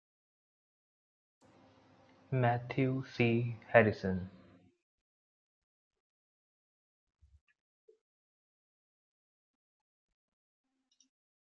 Matthew C. Harrison.